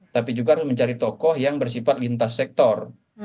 tapi juga harus mencari tokoh yang bersifat lintas sektor